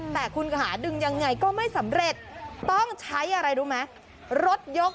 แต่คุณหาดึงยังไงก็ไม่สำเร็จต้องใช้อะไรรถยก